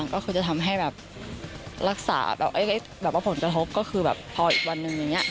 ก็คือจะทำให้แบบรักษาแบบว่าผลกระทบก็คือแบบพออีกวันหนึ่งอย่างนี้